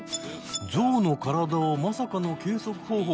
ゾウの体をまさかの計測方法